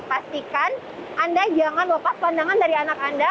pastikan anda jangan lepas pandangan dari anak anda